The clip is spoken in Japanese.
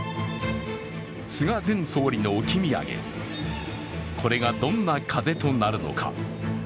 菅前総理の置き土産、これがどんな風となるのか。